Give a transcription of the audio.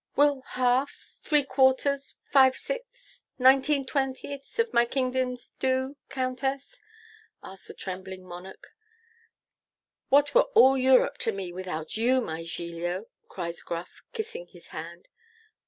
'Will half, three quarters, five sixths, nineteen twentieths, of my kingdom do, Countess?' asks the trembling monarch. 'What were all Europe to me without YOU, my Giglio?' cries Gruff, kissing his hand.